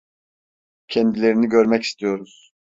Kendilerini görmek istiyoruz!